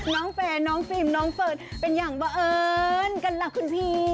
น้องแฟนน้องฟิมน้องเฟิร์ตเป็นอย่างเบาเอิ้นกันหรือครูพี